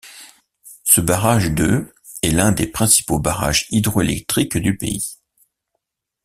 Ce barrage de est l'un des principaux barrages hydroélectriques du pays.